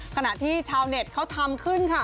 ขณะที่ชาวเน็ตเขาทำขึ้นค่ะ